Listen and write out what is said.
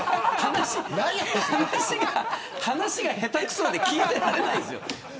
話が下手くそで聞いていられないです。